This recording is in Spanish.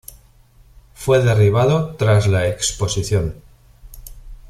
Fue derribado tras la Exposición.